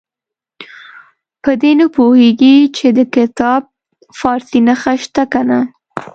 په دې نه پوهېږي چې د کتاب فارسي نسخه شته که نه.